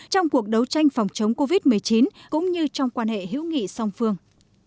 trong cuộc đấu tranh phòng chống covid một mươi chín cũng như trong quan hệ hữu nghị song phương